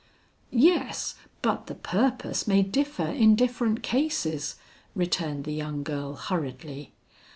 "Yes; but the purpose may differ in different cases," returned the young girl hurriedly.